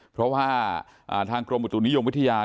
เพราะว่าทางกรมอุตุนิยมวิทยา